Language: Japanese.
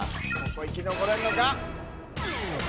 ここ生き残れるのか？